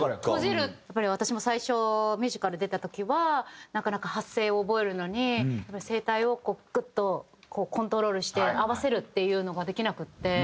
やっぱり私も最初ミュージカル出た時はなかなか発声を覚えるのに声帯をこうグッとコントロールして合わせるっていうのができなくて。